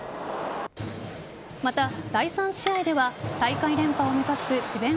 また、第３試合では大会連覇を目指す智弁